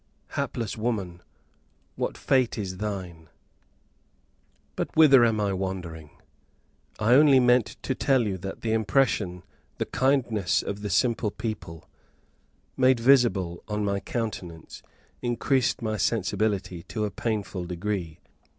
Hapless woman! what a fate is thine! But whither am I wandering? I only meant to tell you that the impression the kindness of the simple people made visible on my countenance increased my sensibility to a painful degree.